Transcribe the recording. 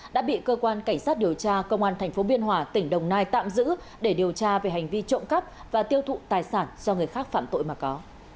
đã bị cơ quan cảnh sát điều tra công an tp biên hòa tỉnh đồng nai tạm giữ để điều tra về hành vi trộm cắp và tiêu thụ tài sản do người khác phạm tội mà có